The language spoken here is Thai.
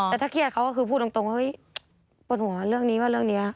แต่ถ้าเครียดเขาก็คือพูดตรงเฮ้ยปวดหัวเรื่องนี้ว่าเรื่องนี้